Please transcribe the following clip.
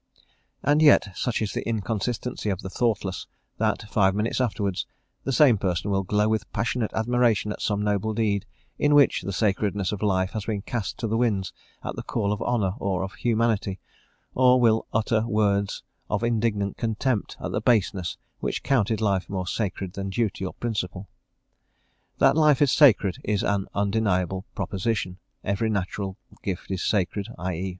And yet, such is the inconsistency of the thoughtless, that, five minutes afterwards, the same person will glow with passionate admiration at some noble deed, in which the sacredness of life has been cast to the winds at the call of honour or of humanity, or will utter words ot indignant contempt at the baseness which counted life more sacred than duty or principle. That life is sacred is an undeniable proposition; every natural gift is sacred, _i e.